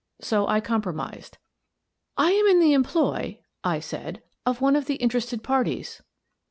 So I compro mised. " I am in the employ," I said, " of one of the interested parties."